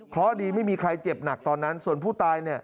เพราะดีไม่มีใครเจ็บหนักตอนนั้นส่วนผู้ตาย